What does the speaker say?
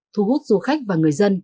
thu hút du khách và người dân